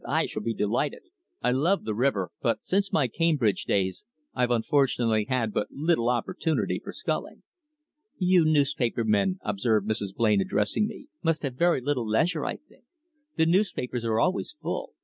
"I shall be delighted. I love the river, but since my Cambridge days I've unfortunately had but little opportunity for sculling." "You newspaper men," observed Mrs. Blain, addressing me, "must have very little leisure, I think. The newspapers are always full.